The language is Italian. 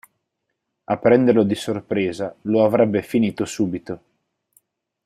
A prenderlo di sorpresa, lo avrebbe finito subito.